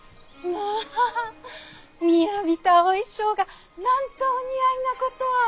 まぁみやびたお衣装がなんとお似合いなこと。